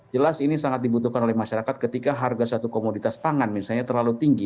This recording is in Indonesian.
jelas ini sangat dibutuhkan oleh masyarakat ketika harga satu komoditas pangan misalnya terlalu tinggi